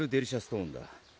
トーンだ